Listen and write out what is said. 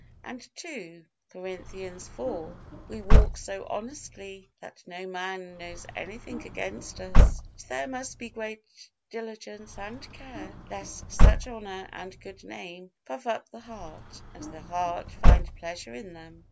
And II. Corinthians iv: "We walk so honestly that no man knows anything against us." But there must be great diligence and care, lest such honor and good name puff up the heart, and the heart find pleasure in them.